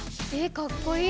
かっこいい。